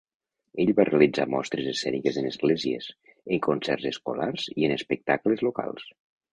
Ell va realitzar mostres escèniques en esglésies, en concerts escolars i en espectacles locals.